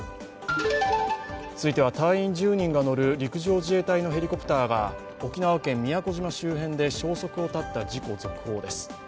続いては隊員１０人が乗る陸上自衛隊のヘリコプターが沖縄県宮古島周辺で消息を絶った事故の続報です。